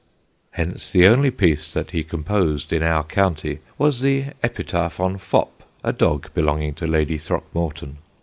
Hence the only piece that he composed in our county was the epitaph on Fop, a dog belonging to Lady Throckmorton.